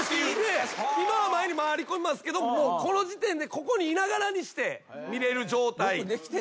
今は前に回りこみますけどこの時点でここにいながらにして見られる状態。